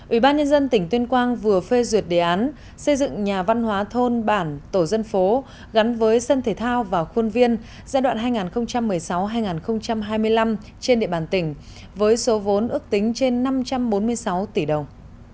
ủy ban nhân dân tỉnh tuyên quang vừa phê duyệt đề án xây dựng nhà văn hóa thôn bản tổ dân phố gắn với sân thể thao và khuôn viên giai đoạn hai nghìn một mươi sáu hai nghìn hai mươi năm trên địa bàn tỉnh với số vốn ước tính trên năm trăm bốn mươi sáu tỷ đồng